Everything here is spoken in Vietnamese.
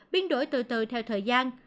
biến đổi từ từ theo thời gian